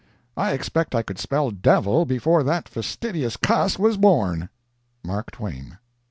I expect I could spell "devil' before that fastidious cuss was born.—MARK TWAIN.